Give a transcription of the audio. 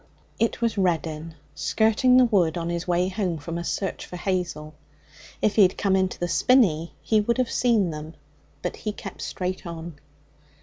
It was Reddin, skirting the wood on his way home from a search for Hazel. If he had come into the spinney he would have seen them, but he kept straight on.